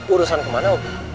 urusan kemana ubi